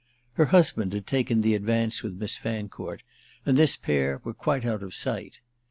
Her husband had taken the advance with Miss Fancourt, and this pair were quite out of sight.